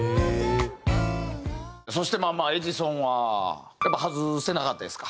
そしてまあ『エジソン』はやっぱ外せなかったですか。